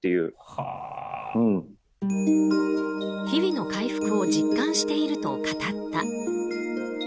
日々の回復を実感していると語った。